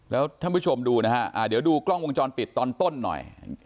แล้วท่านผู้ชมดูนะฮะเดี๋ยวดูกล้องวงจรปิดตอนต้นหน่อย